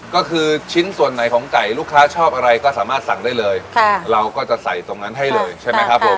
ก็คือชิ้นส่วนไหนของไก่ลูกค้าชอบอะไรก็สามารถสั่งได้เลยค่ะเราก็จะใส่ตรงนั้นให้เลยใช่ไหมครับผม